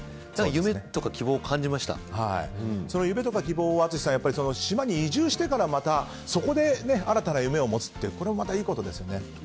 夢とか希望をその夢とか希望を淳さん、島に移住してからそこで新たな夢を持つってこれもまたいいことですよね。